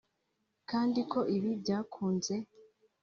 kandi ko ibi byakunze